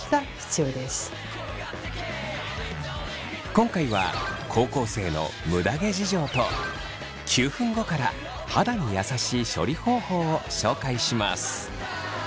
今回は高校生のむだ毛事情と９分後から肌に優しい処理方法を紹介します。